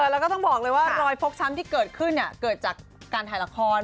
แล้วก็ต้องบอกเลยว่ารอยฟกช้ำที่เกิดขึ้นเกิดจากการถ่ายละคร